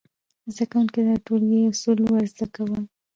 زده کوونکو ته د ټولګي اصول ور زده کول،